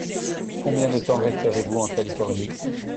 Combien de temps resterez-vous en Californie ?